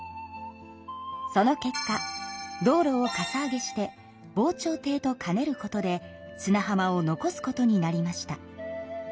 その結果道路をかさ上げして防潮堤と兼ねることで砂浜を残すことになりました。